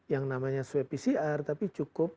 yang namanya swab pcr tapi cukup